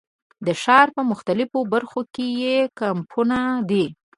د ښار په مختلفو برخو کې یې کمپونه دي.